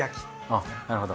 あっなるほど。